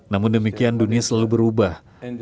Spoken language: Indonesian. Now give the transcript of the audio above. namun demikian dunia selalu berubah